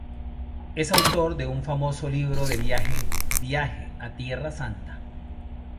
Es autor de un famoso libro de viaje ‘Viaje a Tierra Santa’.